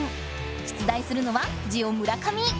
出題するのはジオ村上！